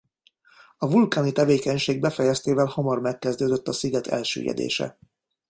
A vulkáni tevékenység befejeztével hamar megkezdődött a sziget elsüllyedése.